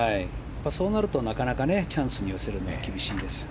そうなるとなかなかチャンスに寄せるのは厳しいです。